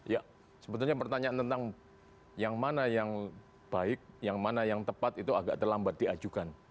ya sebetulnya pertanyaan tentang yang mana yang baik yang mana yang tepat itu agak terlambat diajukan